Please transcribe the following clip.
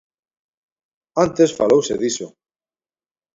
Antes falouse diso.